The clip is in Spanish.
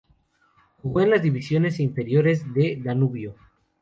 Jugó en las divisiones inferiores de Danubio.